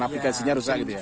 navigasinya rusak gitu ya